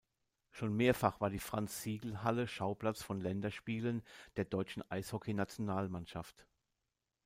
Schon mehrfach war die Franz-Siegel-Halle Schauplatz von Länderspielen der deutschen Eishockey-Nationalmannschaft.